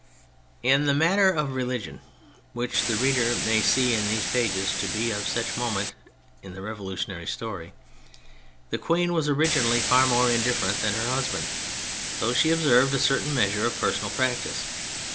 In the matter of religion (which the reader may see in these pages to be of such moment in the revolutionary story), the queen was originally far more indifferent than her husband, though she observed a certain measure of personal practice.